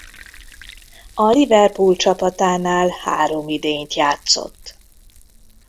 A Liverpool csapatánál három idényt játszott.